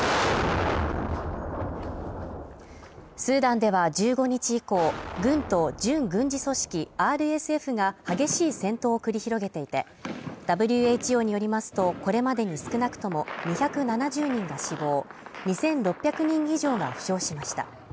スーダンでは１５日以降、軍と準軍事組織、ＲＳＦが激しい戦闘を繰り広げていて、ＷＨＯによりますと、これまでに少なくとも２７０人が死亡２６００人以上が負傷しました。